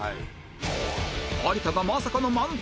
有田がまさかの満点